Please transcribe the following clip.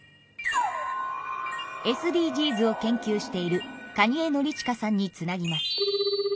ＳＤＧｓを研究している蟹江憲史さんにつなぎます。